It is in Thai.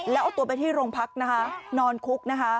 แล้วเอาตัวไปที่โรงพักนอนคุก